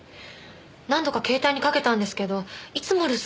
何度か携帯にかけたんですけどいつも留守電で。